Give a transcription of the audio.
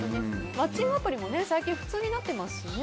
マッチングアプリも最近普通になってますしね。